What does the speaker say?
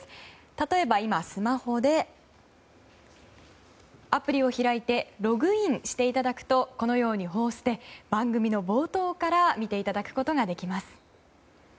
例えば今、スマホでアプリを開いてログインしていただくとこのように「報ステ」を番組の冒頭から見ていただくことができます。